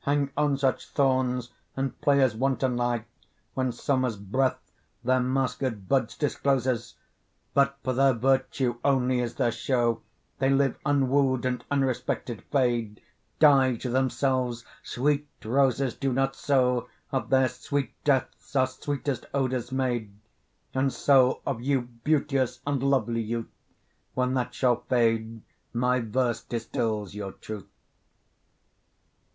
Hang on such thorns, and play as wantonly When summer's breath their masked buds discloses: But, for their virtue only is their show, They live unwoo'd, and unrespected fade; Die to themselves. Sweet roses do not so; Of their sweet deaths, are sweetest odours made: And so of you, beauteous and lovely youth, When that shall vade, by verse distills your truth.